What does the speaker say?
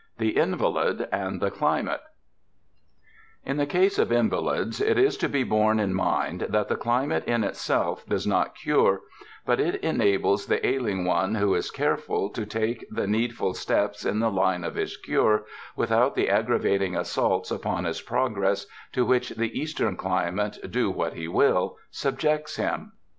The Invalid anp the Climate In the case of invalids, it is to be borne in mind that the climate in itself does not cure, but it en ables the ailing one who is careful, to take the need ful steps in the line of his cure, without the ag gravating assaults upon his progress to which the Eastern climate, do what he will, subjects him.